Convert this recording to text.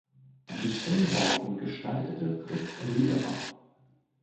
Die Filmbauten gestaltete Fritz Lederer.